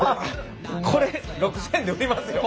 これ６，０００円で売りますよ。